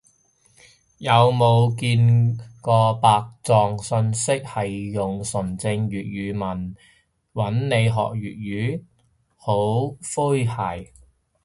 有冇見過白撞訊息係用純正粵語問，搵你學粵語？好詼諧